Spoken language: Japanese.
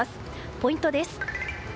ポイントです。